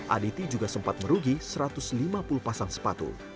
aditi juga sempat merugi satu ratus lima puluh pasang sepatu